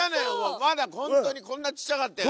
まだ本当にこんなちっちゃかったよね。